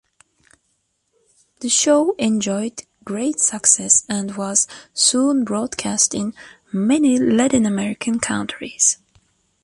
The show enjoyed great success and was soon broadcast in many Latin American countries.